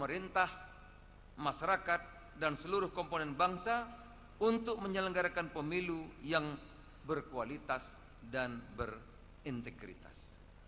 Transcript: pemerintah masyarakat dan seluruh komponen bangsa untuk menyelenggarakan pemilu yang berkualitas dan berintegritas